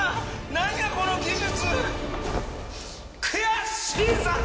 何やこの技術！